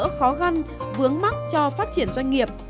thảo gỡ khó găn vướng mắt cho phát triển doanh nghiệp